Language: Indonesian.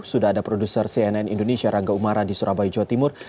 sudah ada produser cnn indonesia rangga umara di surabaya jawa timur